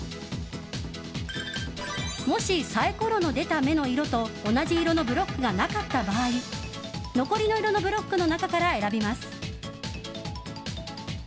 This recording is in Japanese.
もし、サイコロの出た目の色と同じ色のブロックがなかった場合残り色のブロックの中から選びます。